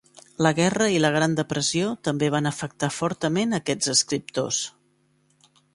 La guerra i la gran depressió també van afectar fortament aquests escriptors.